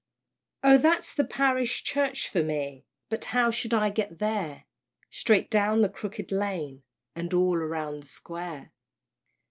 Oh that's the parish church for me! But how shall I get there? "Straight down the Crooked Lane, And all round the Square."